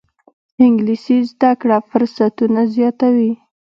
انګلیسي زده کړه فرصتونه زیاتوي